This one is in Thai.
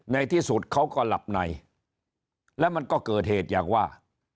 ในที่สุดเขาก็หลับในแล้วมันก็เกิดเหตุอย่างว่า